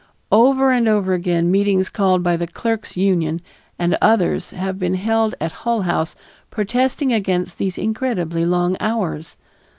Over and over again, meetings called by the Clerks Union and others have been held at Hull House protesting against these incredibly long hours.